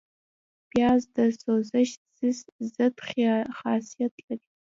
پیاز د سوزش ضد خاصیت لري